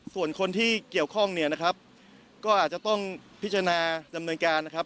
ส่วนคนที่เกี่ยวข้องเนี่ยนะครับก็อาจจะต้องพิจารณาดำเนินการนะครับ